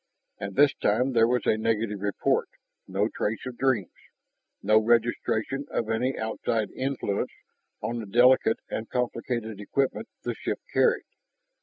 And this time there was a negative report, no trace of dreams, no registration of any outside influence on the delicate and complicated equipment the ship carried.